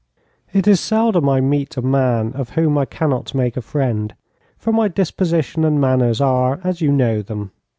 It is seldom I meet a man of whom I cannot make a friend, for my disposition and manners are as you know them.